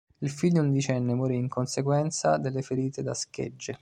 Il figlio undicenne morì in conseguenza delle ferite da schegge.